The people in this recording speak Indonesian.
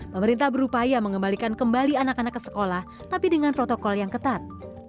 pemerintah berupaya mengembalikan kembali anak anak ke sekolah tapi dengan protokol yang ketat